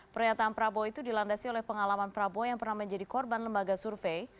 pernyataan prabowo itu dilandasi oleh pengalaman prabowo yang pernah menjadi korban lembaga survei